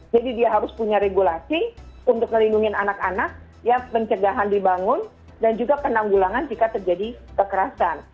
jadi dia harus punya regulasi untuk melindungi anak anak yang pencegahan dibangun dan juga penanggulangan jika terjadi kekerasan